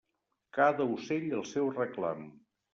Cada ocell el seu reclam.